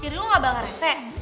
jadi lo gak bakal rese